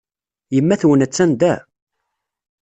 Yemma-twen attan da?